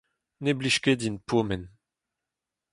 Ne blij ket din pourmen.